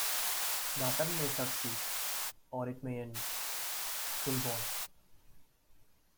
The attempt may succeed or it may end… stillborn”.